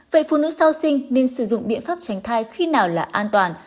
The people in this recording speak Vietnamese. vậy phụ nữ sau sinh nên sử dụng biện pháp tránh thai khi nào là an toàn